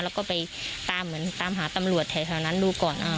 แล้วก็ไปตามเหมือนตามหาตำรวจแถวนั้นดูก่อน